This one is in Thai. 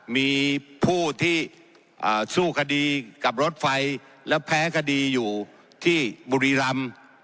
มีผู้ที่สู้คดีกับรถไฟแล้วแพ้คดีอยู่ที่บุรีรำ